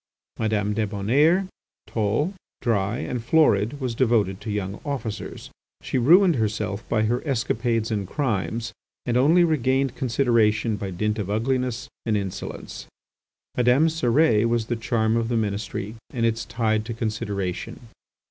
Madame Débonnaire, tall, dry, and florid, was devoted to young officers. She ruined herself by her escapades and crimes and only regained consideration by dint of ugliness and insolence. Madame Cérès was the charm of the Ministry and its tide to consideration.